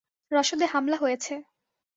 রসদে হামলা হয়েছে!